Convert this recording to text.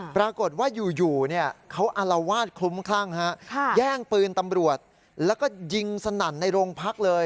ปรากฏว่าอยู่เขาอารวาสคลุ้มคลั่งแย่งปืนตำรวจแล้วก็ยิงสนั่นในโรงพักเลย